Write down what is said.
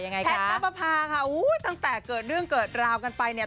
อย่างไรคะแพทย์กับภาค่ะอู้ตั้งแต่เกิดเรื่องเกิดราวกันไปเนี่ย